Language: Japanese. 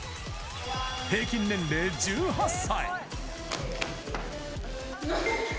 平均年齢１８歳。